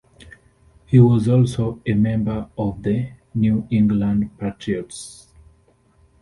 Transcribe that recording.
He was also a member of the New England Patriots.